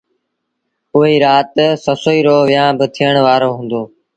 اُئي رآت سسئيٚ رو ويهآݩ ٿيٚڻ وآرو هُݩدو۔